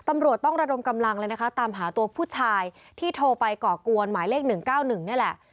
ตำรวจต้องระดมกำลังตามหาตัวผู้ชายที่โทรไปกอกกวนหมายเลข๑๙๑